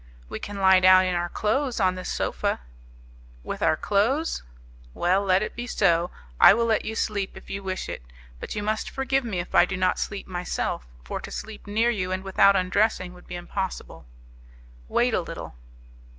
"We can lie down in our clothes on this sofa." "With our clothes! Well, let it be so; I will let you sleep, if you wish it; but you must forgive me if I do not sleep myself; for to sleep near you and without undressing would be impossible." "Wait a little."